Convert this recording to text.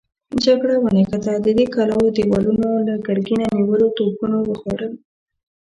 جګړه ونښته، د دې کلاوو دېوالونه له ګرګينه نيولو توپونو وخوړل.